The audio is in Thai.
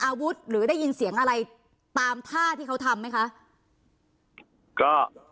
หรือได้ยินเสียงอะไรตามท่าที่เขาทำไหมคะก็